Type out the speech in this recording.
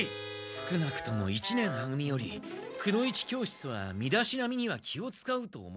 少なくとも一年は組よりくの一教室は身だしなみには気をつかうと思う。